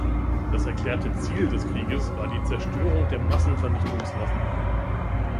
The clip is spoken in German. Das erklärte Ziel des Krieges war die Zerstörung der Massenvernichtungswaffen.